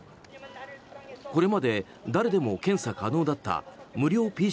これまで誰でも検査可能だった無料